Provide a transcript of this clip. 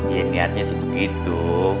iya niatnya cukup gitu